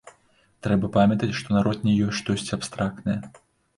Трэба памятаць, што народ не ёсць штосьці абстрактнае.